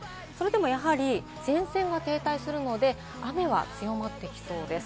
それでも、やはり前線が停滞するので、雨は強まってきそうです。